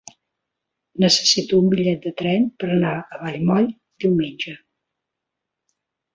Necessito un bitllet de tren per anar a Vallmoll diumenge.